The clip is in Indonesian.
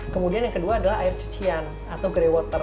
kemudian yang kedua adalah air cucian atau grey water